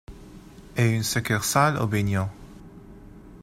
Et une succursale au Bénion.